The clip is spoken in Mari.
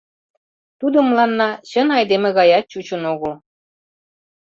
Тудо мыланна чын айдеме гаят чучын огыл.